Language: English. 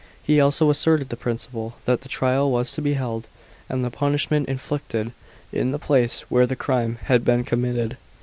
He also asserted the principle, that the trial was to be held, and the punishment inflicted, in the place where the crime had been committed.